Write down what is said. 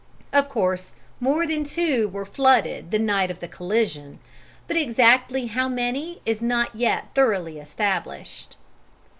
Of course, more than two were flooded the night of the collision, but exactly how many is not yet thoroughly established.